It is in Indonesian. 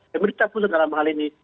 pemerintah pusat dalam hal ini